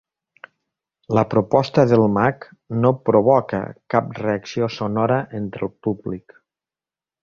La proposta del mag no provoca cap reacció sonora entre el públic.